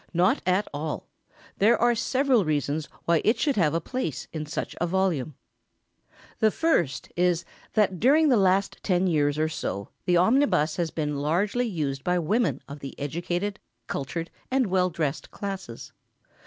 Not at all! There are several reasons why it should have a place in such a volume. [Sidenote: It is now used by all classes.] The first is, that during the last ten years or so the omnibus has been largely used by women of the educated, cultured, and well dressed classes.